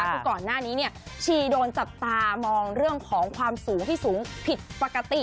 คือก่อนหน้านี้เนี่ยชีโดนจับตามองเรื่องของความสูงที่สูงผิดปกติ